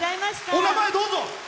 お名前、どうぞ。